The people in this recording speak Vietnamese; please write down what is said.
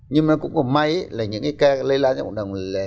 nhưng mà cũng có may là những cái ca lây lan cho cộng đồng